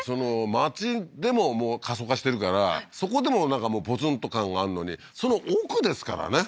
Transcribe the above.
町でももう過疎化してるからそこでもなんかもうポツンと感があんのにその奥ですからね